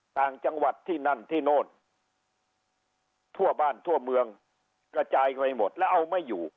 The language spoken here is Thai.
ต่างจังหวัดที่นั่นที่โน่นทั่วบ้านทั่วเมืองกระจายไปหมดแล้วเอาไม่อยู่